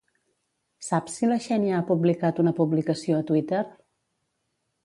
Saps si la Xènia ha publicat una publicació a Twitter?